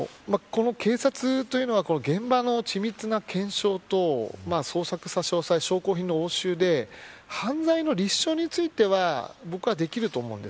この警察というのは現場の緻密な検証と捜索差し押さえ、証拠品の押収で犯罪の立証については僕はできると思うんです。